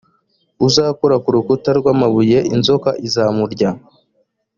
uzakora ku rukuta rw’amabuye inzoka izamurya